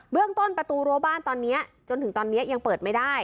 เรื่องต้นประตูรั้วบ้านตอนนี้จนถึงตอนนี้ยังเปิดไม่ได้